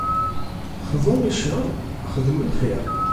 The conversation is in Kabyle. Xḍu i ccer, xdem lxir.